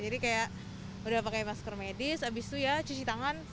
jadi kayak udah pakai masker medis abis itu ya cuci tangan